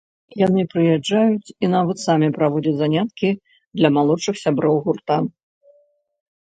Яны прыязджаюць і нават самі праводзяць заняткі для малодшых сяброў гурта.